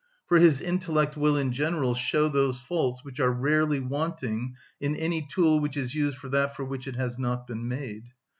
For his intellect will in general show those faults which are rarely wanting in any tool which is used for that for which it has not been made.